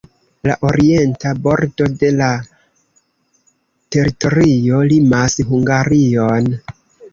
La orienta bordo de la teritorio limas Hungarion.